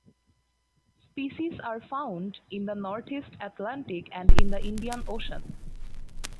Species are found in the northeast Atlantic and in the Indian Ocean.